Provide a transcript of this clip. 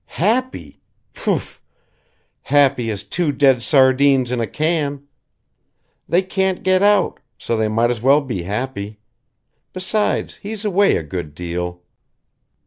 "Happy? Poof! Happy as two dead sardines in a can. They can't get out so they might as well be happy. Besides, he's away a good deal."